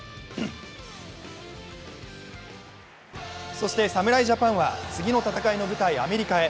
そして侍ジャパンは次の戦いの舞台・アメリカへ。